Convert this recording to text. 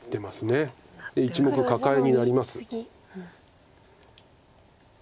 １目カカエになります。